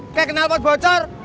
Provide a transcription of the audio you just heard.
kayak kenal pot bocor